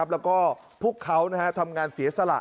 แล้วก็พวกเขาทำงานเสียสละ